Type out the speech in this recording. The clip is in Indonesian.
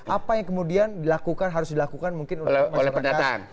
apa yang kemudian dilakukan harus dilakukan mungkin oleh masyarakat